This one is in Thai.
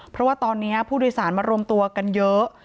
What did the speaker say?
เพราะว่าตอนนี้ผู้โดยสารมารวมตัวกันเยอะ